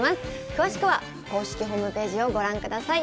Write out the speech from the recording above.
詳しくは公式ホームページをご覧ください。